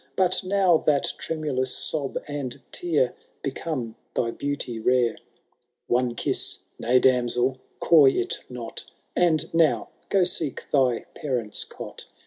But now that tremulous sob and tear Become thy beauty rare. One Tn'wB nay, damsel, coy it not !— And now go seek thy parents* cot.